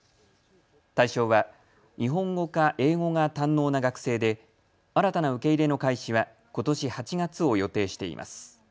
対象は日本語か英語が堪能な学生で新たな受け入れの開始はことし８月を予定しています。